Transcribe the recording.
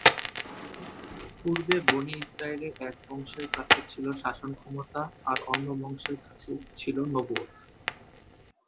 পূর্বে বনী ইসরাইলের এক বংশের কাছে ছিল শাসন ক্ষমতা আর অন্য বংশের কাছে ছিল নবুয়ত।